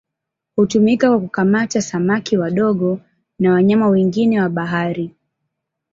Hutumika kwa kukamata samaki wadogo na wanyama wengine wa bahari.